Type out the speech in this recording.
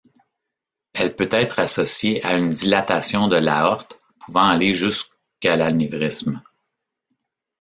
Elle peut être associée à une dilatation de l'aorte pouvant aller jusqu'à l'anévrisme.